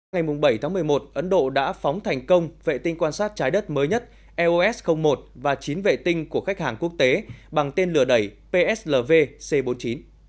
ngày bảy một mươi một ấn độ đã phóng thành công vệ tinh quan sát trái đất mới nhất eos một và chín vệ tinh của khách hàng quốc tế bằng tên lửa đẩy pslv c bốn mươi chín